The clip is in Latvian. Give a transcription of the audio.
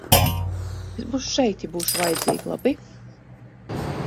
Es būšu šeit, ja būšu vajadzīga, labi?